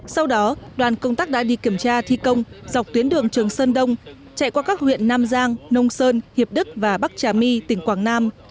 sau đó đoàn công tác đã đi kiểm tra thi công dọc tuyến đường trường sơn đông chạy qua các huyện nam giang nông sơn hiệp đức và bắc trà my tỉnh quảng nam